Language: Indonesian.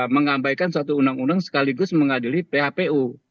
mengabaikan satu undang undang sekaligus mengadili phpu